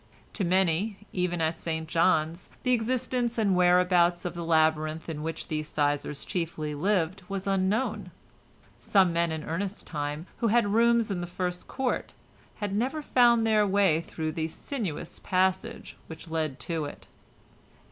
To many, even at St John's, the existence and whereabouts of the labyrinth in which the sizars chiefly lived was unknown; some men in Ernest's time, who had rooms in the first court, had never found their way through the sinuous passage which led to it.